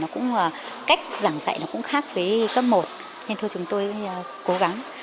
cách giảng dạy cũng khác với cấp một nên chúng tôi cố gắng